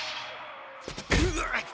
うわっ！